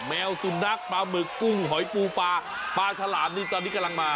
แมวสุนัขปลาหมึกกุ้งหอยปูปลาปลาฉลามนี่ตอนนี้กำลังมา